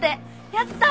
やったー！